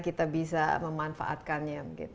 kita bisa memanfaatkannya